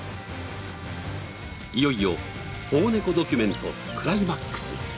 いよいよ保護猫ドキュメントクライマックス。